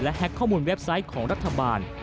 แฮ็กข้อมูลเว็บไซต์ของรัฐบาล